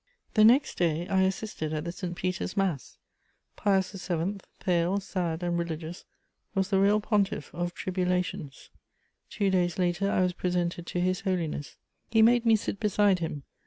The next day, I assisted at the St. Peter's Mass. Pius VII., pale, sad and religious, was the real pontiff of tribulations. Two days later I was presented to His Holiness: he made me sit beside him.